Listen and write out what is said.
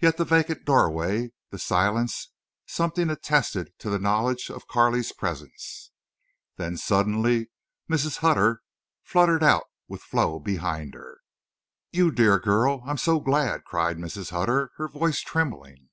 Yet the vacant doorway, the silence—something attested to the knowledge of Carley's presence. Then suddenly Mrs. Hutter fluttered out with Flo behind her. "You dear girl—I'm so glad!" cried Mrs. Hutter, her voice trembling.